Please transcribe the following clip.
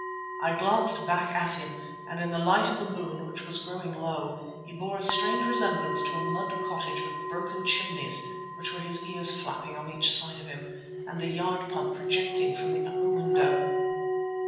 I glanced back at him, and in the light of the moon, which was growing low, he bore a strange resemblance to a mud cottage with broken chimneys (which were his ears flapping on each side of him), and the yard pump projecting from the upper window.